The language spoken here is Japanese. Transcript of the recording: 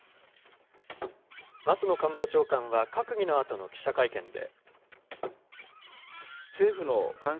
松野官房長官は閣議のあとの記者会見で。